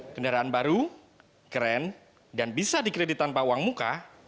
kendaraan baru keren dan bisa dikredit tanpa uang muka